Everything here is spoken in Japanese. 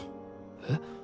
えっ？